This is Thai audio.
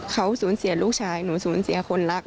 เขาสูญเสียลูกชายหนูสูญเสียคนรัก